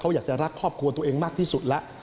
เขาอยากจะรักครอบครัวตัวเองมากที่สุดแล้ว